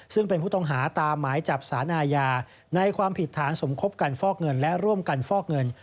ซึ่งเป็นผู้ต้องหาตามหมายจับสารอาญาในความผิดฐานสมคบกันฟอกเงินและร่วมกันฟอกเงิน